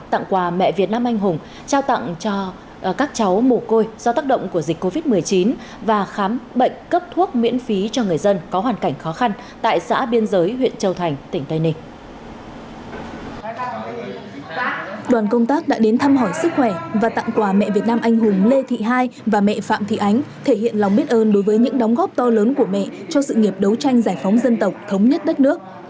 đoàn công tác đã đến thăm hỏi sức khỏe và tặng quà mẹ việt nam anh hùng lê thị hai và mẹ phạm thị ánh thể hiện lòng biết ơn đối với những đóng góp to lớn của mẹ cho sự nghiệp đấu tranh giải phóng dân tộc thống nhất đất nước